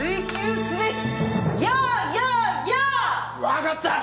わかった！